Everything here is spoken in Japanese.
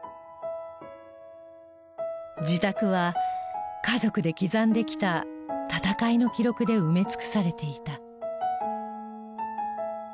自宅は家族で刻んできた戦いの記録で埋め尽くされていた。